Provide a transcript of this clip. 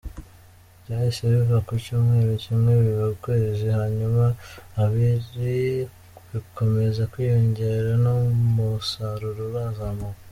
Byahise biva ku cyumweru kimwe biba ukwezi hanyuma abiri, bikomeza kwiyongera n’umusaruro urazamuka”.